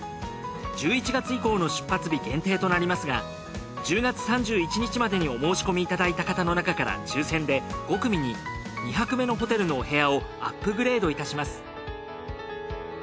１１月以降の出発日限定となりますが１０月３１日までにお申し込みいただいた方の中から抽選で５組に２泊目のホテルのお部屋をアップグレードいたします。